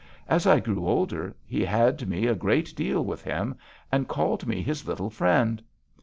As I grew older he had me a great deal with him, and called me his little friend.